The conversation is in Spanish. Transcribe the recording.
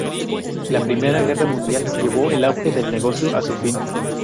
La Primera Guerra Mundial llevó el auge del negocio a su fin.